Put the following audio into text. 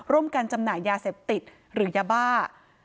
ร่วมกันจำหน่ายยาเสพติดหรือยาบ้า